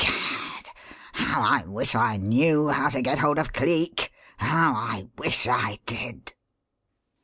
Gad! how I wish I knew how to get hold of Cleek how I wish I did!"